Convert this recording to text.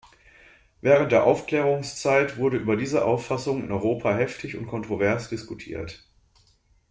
Während der Aufklärungszeit wurde über diese Auffassung in Europa heftig und kontrovers diskutiert.